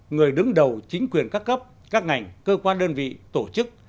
người đứng đầu chính quyền các cấp các ngành cơ quan đơn vị tổ chức